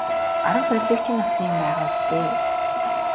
Арга барилыг чинь авсан юм байгаа биз дээ.